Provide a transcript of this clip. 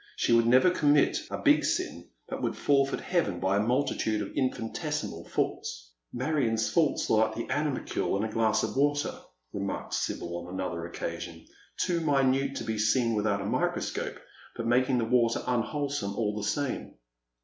She would never commit A big sin, but would forfeit heaven by a multitude of infini tesimal faults. " Marion's faults are like the animalculae in a glass of water," remarked Sibyl on another occasion, " too minute to be seen without a microscope, but making the water unwholesome all the same."